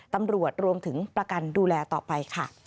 ตำรวจรวมถึงประกันดูแลต่อไปค่ะ